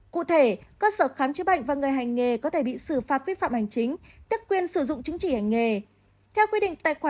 cụ thể cơ sở khám chữa bệnh và người hành nghề có thể bị xử phạt vi phạm hành chính tức quyền sử dụng chứng chỉ hành nghề